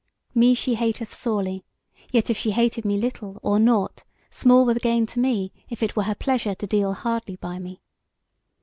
Me she hateth sorely; yet if she hated me little or nought, small were the gain to me if it were her pleasure to deal hardly by me.